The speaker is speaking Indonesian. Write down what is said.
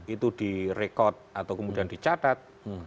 itu direkod atau kemudian dicatat